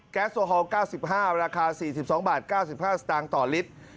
โอฮอล๙๕ราคา๔๒บาท๙๕สตางค์ต่อลิตร